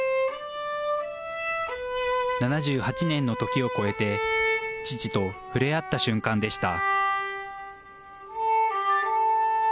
７８年のときを超えて父と触れ合った瞬間でした。